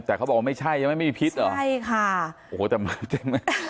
แต่เขาบอกว่าไม่ใช่ยังไม่มีพิษเหรอใช่ค่ะโอ้โหแต่มาเต็มไหม